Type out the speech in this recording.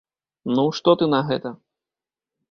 Ну, што ты на гэта?